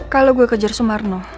kalau gue kejar sumarno